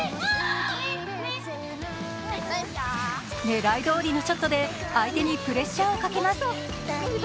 狙いどおりのショットで相手にプレッシャーをかけます。